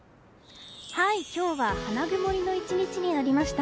今日は花曇りの１日になりました。